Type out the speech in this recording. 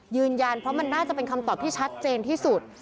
ยืนยันเพราะมันน่าจะเป็นคำตอบที่ชัดเจนที่สุด